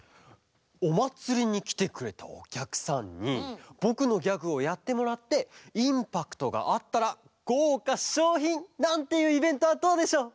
おまつりにきてくれたおきゃくさんにぼくのギャグをやってもらってインパクトがあったらごうかしょうひんなんていうイベントはどうでしょう？